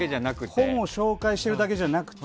なんか本を紹介してるだけとかじゃなくて。